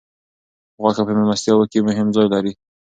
غوښه په میلمستیاوو کې مهم ځای لري.